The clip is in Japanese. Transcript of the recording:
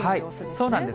そうなんです。